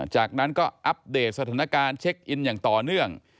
จากนั้นก็อัปเดตสถานการณ์เช็คอินอย่างต่อเนื่อง